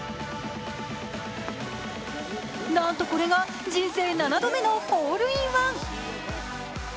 なんとこれが人生７度目のホールインワン。